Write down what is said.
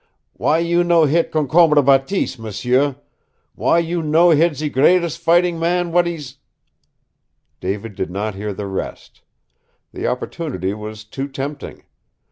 Why you no hit Concombre Bateese, m'sieu? Why you no hit ze greates' fightin' man w'at ees " David did not hear the rest. The opportunity was too tempting.